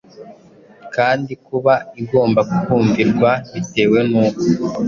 kandi kuba igomba kumvirwa bitewe n’uko